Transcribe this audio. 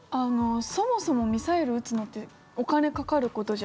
そもそもミサイル撃つのって確かに。